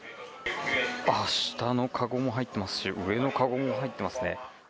下の籠も入ってますし、上の籠も入っていますね。